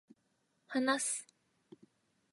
話す